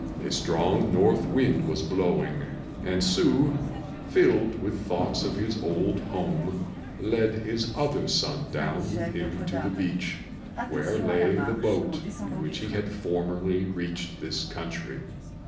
A strong north wind was blowing, and Hsü, filled with thoughts of his old home, led his other son down with him to the beach, where lay the boat in which he had formerly reached this country.